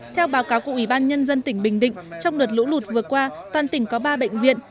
theo báo cáo của ủy ban nhân dân tỉnh bình định trong đợt lũ lụt vừa qua toàn tỉnh có ba bệnh viện